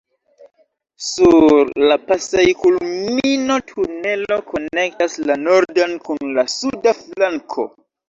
Sur la pasejkulmino tunelo konektas la nordan kun la suda flanko.